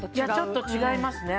ちょっと違いますね